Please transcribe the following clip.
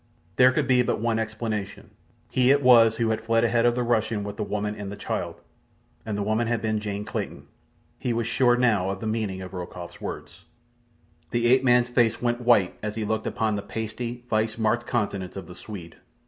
There could be but one explanation—he it was who had fled ahead of the Russian with the woman and the child—and the woman had been Jane Clayton. He was sure now of the meaning of Rokoff's words. The ape man's face went white as he looked upon the pasty, vice marked countenance of the Swede.